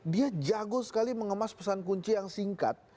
dia jago sekali mengemas pesan kunci yang singkat